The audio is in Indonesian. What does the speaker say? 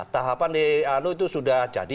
tahapan di anu itu sudah jadi